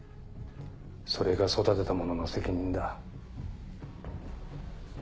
それが育てた者の責任だ。